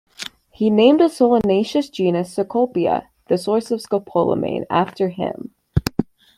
He named a solanaceous genus, "Scopolia", the source of scopolamine, after him.